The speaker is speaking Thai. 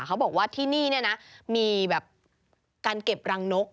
เขาบอกว่าที่นี่เนี่ยนะมีแบบการเก็บรังนก